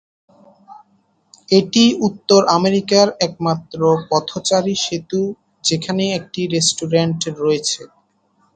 এটি উত্তর আমেরিকার একমাত্র পথচারী সেতু যেখানে একটি রেস্টুরেন্ট রয়েছে।